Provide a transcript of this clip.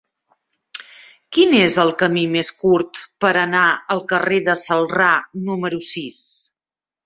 Quin és el camí més curt per anar al carrer de Celrà número sis?